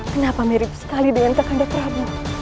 kenapa mirip sekali dengan kakinda prabu